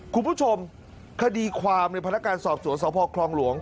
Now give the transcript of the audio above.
คุณผู้ชมคดีความในพนักการสอบสวนสพคลองหลวง